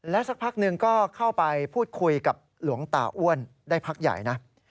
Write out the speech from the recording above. สักพักหนึ่งก็เข้าไปพูดคุยกับหลวงตาอ้วนได้พักใหญ่นะ